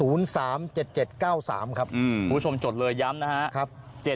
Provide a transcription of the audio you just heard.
อืมคุณผู้ชมจดเลยย้ำนะครับ๗๐๖๑๐๓๗๗๙๓